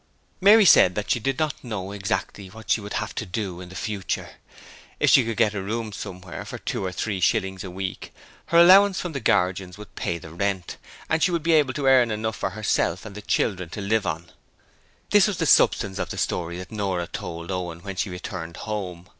Mary said that she did not know exactly what she would have to do in the future. If she could get a room somewhere for two or three shillings a week, her allowance from the Guardians would pay the rent, and she would be able to earn enough for herself and the children to live on. This was the substance of the story that Nora told Owen when she returned home.